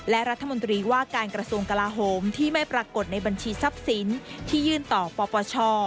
และรัฐมนตรีว่าการกระทรวงกลาโหมที่ไม่ปรากฏในบัญชีทรัพย์สินที่ยื่นต่อปปช